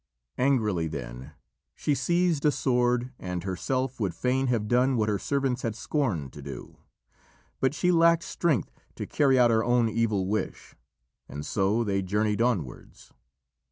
Angrily, then, she seized a sword and herself would fain have done what her servants had scorned to do. But she lacked strength to carry out her own evil wish, and so they journeyed onwards.